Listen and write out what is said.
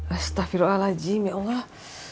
astagfirullahaladzim ya allah